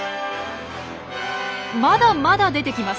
まだまだ出てきます。